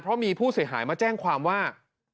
เพราะมีผู้เสียหายมาแจ้งความว่า